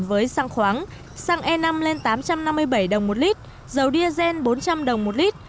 với xăng khoáng xăng e năm lên tám trăm năm mươi bảy đồng một lít dầu diesel bốn trăm linh đồng một lít